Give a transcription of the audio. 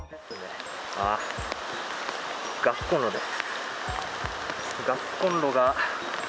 ガスコンロです。